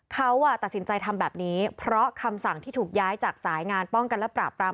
เขาตัดสินใจทำแบบนี้เพราะคำสั่งที่ถูกย้ายจากสายงานป้องกันและปราบปราม